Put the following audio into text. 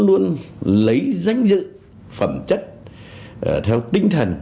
luôn lấy danh dự phẩm chất theo tinh thần